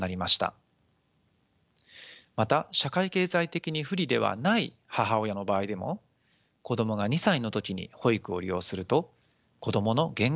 また社会経済的に不利ではない母親の場合でも子どもが２歳の時に保育を利用すると子どもの言語発達がよくなりました。